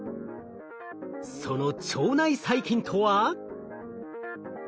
その腸内細菌とは。